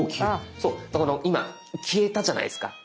そう今消えたじゃないですか。